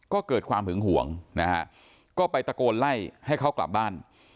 ก็เกิดความหึงห่วงนะฮะก็ไปตะโกนไล่ให้เขากลับบ้าน